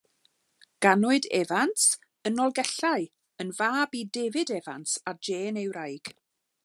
Ganwyd Evans yn Nolgellau, yn fab i David Evans, a Jane ei wraig.